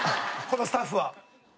このスタッフは。